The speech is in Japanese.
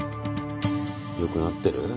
よくなってる？